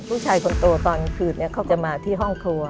ผู้ชายคนโตตอนกลางคืนเขาจะมาที่ห้องครัว